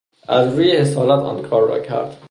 از روی حسادت آن کار را کرد.